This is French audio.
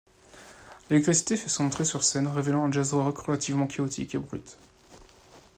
L'électricité fait son entrée sur scène révélant un jazz-rock relativement chaotique et brut.